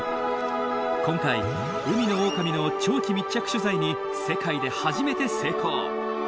今回海のオオカミの長期密着取材に世界で初めて成功！